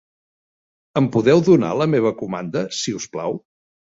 Em podeu donar la meva comanda, si us plau?